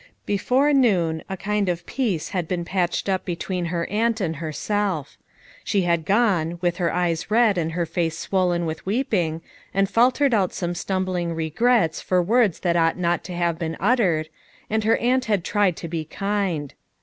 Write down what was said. Before noon, a kind of peace had been patched up between her aunt and herself. She had gone, with her eyes red and her face swollen with weeping, and faltered out some stumbling regrets for words that ought not to have been uttered, and her aunt had tried to be kind.